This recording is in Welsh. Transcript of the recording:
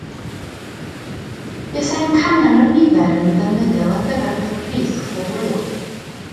Buasai amcan o'r niferoedd yn ddefnyddiol ar gyfer cael pris cystadleuol